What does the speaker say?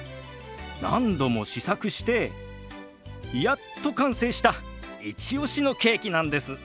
何度も試作してやっと完成したイチオシのケーキなんです。